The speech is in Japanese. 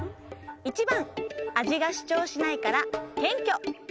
１番味が主張しないから「謙虚」